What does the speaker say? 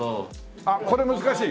あっこれ難しい？